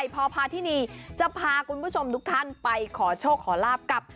พอพาที่นี่จะพาคุณผู้ชมทุกท่านไปขอโชคขอลาบกับ